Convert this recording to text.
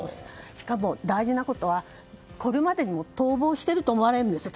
しかも大事なことはこれまでにも逃亡していると思われるんですね。